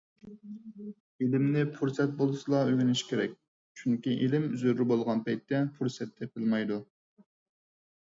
ئىلىمنى پۇرسەت بولسىلا ئۆگىنىش كېرەك، چۈنكى ئىلىم زۆرۈر بولغان پەيتتە پۇرسەت تېپىلمايدۇ.